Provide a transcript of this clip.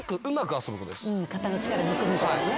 肩の力抜くみたいなね。